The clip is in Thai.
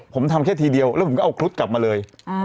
ผมทำแค่ทีเดียวแล้วผมก็เอาครุฑกลับมาเลย